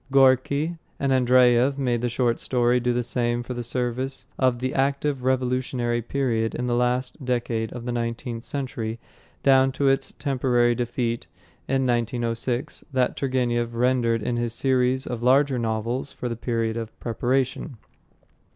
Gorky and Andreyev made the short story do the same service for the active revolutionary period in the last decade of the nineteenth century down to its temporary defeat in 1906 that Turgenev rendered in his series of larger novels for the period of preparation.